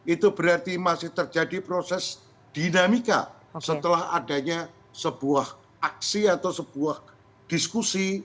itu berarti masih terjadi proses dinamika setelah adanya sebuah aksi atau sebuah diskusi